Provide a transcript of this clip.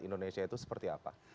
indonesia itu seperti apa